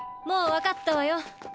もう分かったわよ。